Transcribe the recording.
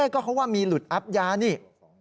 ก็เพราะว่ามีหลุดอับยานี่